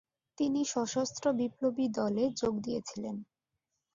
তিনি সশস্ত্র বিপ্লবী দলে যোগ দিয়েছিলেন।